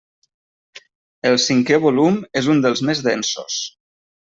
El cinquè volum és un dels més densos.